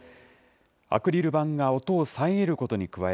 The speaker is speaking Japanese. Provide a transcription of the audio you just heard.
アクリル板が音を遮ることに加え